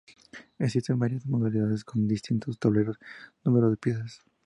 Existen varias modalidades, con distintos tableros y número de piezas.